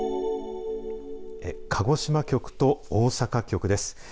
鹿児島局と大阪局です。